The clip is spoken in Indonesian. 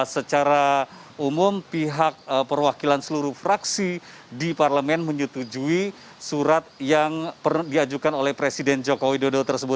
secara umum pihak perwakilan seluruh fraksi di parlemen menyetujui surat yang diajukan oleh presiden joko widodo tersebut